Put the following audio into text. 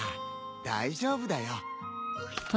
大丈夫だよ。